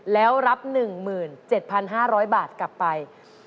แล้วรับ๑๗๕๐๐บาทกลับไป